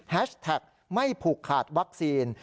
แท็กไม่ผูกขาดวัคซีน